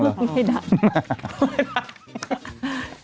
กล้วยด่าง